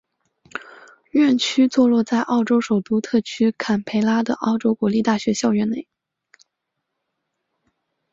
院区座落在澳洲首都特区坎培拉的澳洲国立大学校园内。